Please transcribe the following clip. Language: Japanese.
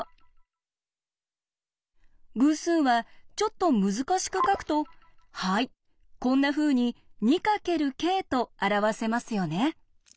偶数はちょっと難しく書くとはいこんなふうに「２かけるｋ」と表せますよね。